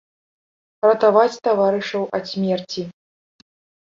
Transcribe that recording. Ратаваць таварышаў ад смерці!!